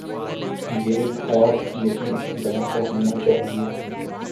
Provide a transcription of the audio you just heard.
یہ گھاٹ لیکن اقتدارکا ہو نا چاہیے۔